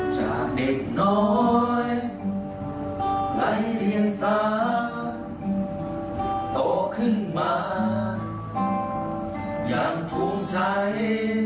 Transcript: จากเด็กน้อยไร้เดียงสาโตขึ้นมาอย่างภูมิใจ